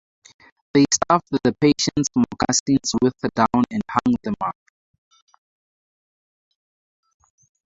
They stuffed the patient's moccasins with down and hung them up.